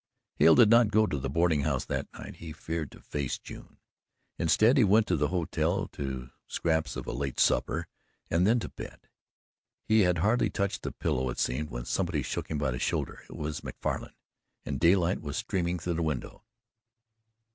Hale did not go to the boarding house that night he feared to face June. Instead he went to the hotel to scraps of a late supper and then to bed. He had hardly touched the pillow, it seemed, when somebody shook him by the shoulder. It was Macfarlan, and daylight was streaming through the window.